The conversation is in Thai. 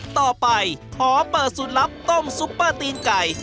ต่อไปขอเปิดสูตรลับต้มซุปเปอร์ตีนไก่